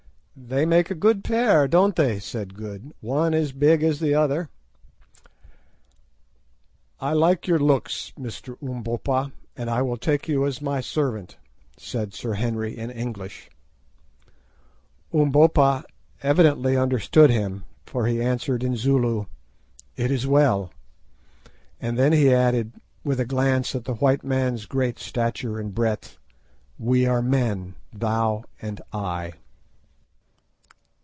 "They make a good pair, don't they?" said Good; "one as big as the other." "I like your looks, Mr. Umbopa, and I will take you as my servant," said Sir Henry in English. Umbopa evidently understood him, for he answered in Zulu, "It is well"; and then added, with a glance at the white man's great stature and breadth, "We are men, thou and I."